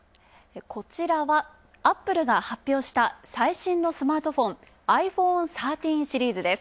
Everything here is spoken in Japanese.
こちらはアップルが発表した最新のスマートフォン、ｉＰｈｏｎｅ１３シリーズです。